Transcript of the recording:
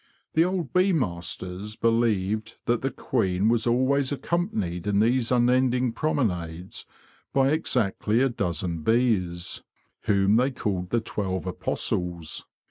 The old bee masters believed that the queen was always accompanied in these unending promenades by exactly a dozen bees, whom they called the Twelve Apostles.